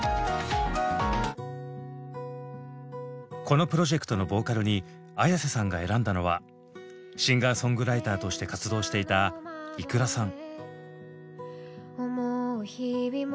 このプロジェクトのボーカルにＡｙａｓｅさんが選んだのはシンガーソングライターとして活動していたｉｋｕｒａさん。